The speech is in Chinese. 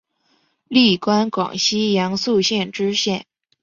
历官广西阳朔县知县。